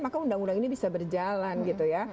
maka undang undang ini bisa berjalan gitu ya